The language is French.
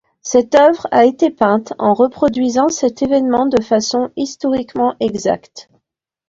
Cette œuvre a été peinte en reproduisant cet évènement de façon historiquement exacte.